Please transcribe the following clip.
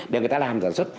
để người ta làm sản xuất